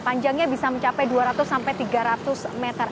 panjangnya bisa mencapai dua ratus sampai tiga ratus meter